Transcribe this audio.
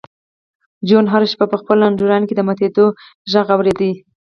جون هره شېبه په خپل اندرون کې د ماتېدو غږ اورېده